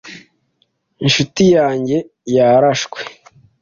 Inshuti yanjye yarashwe.